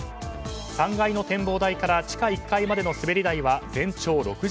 ３階の展望台から地下１階までの滑り台は全長６０ｍ。